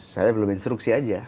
saya belum instruksi aja